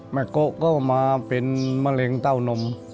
โกะก็มาเป็นมะเร็งเต้านม